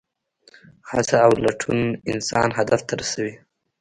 هڅه او لټون انسان هدف ته رسوي.